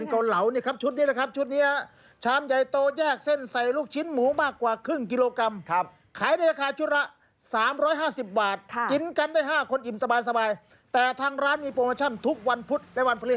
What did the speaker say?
นี่ครับที่เป็นเกาเหลานี่ครับชุดนี้ล่ะครับชุดนี้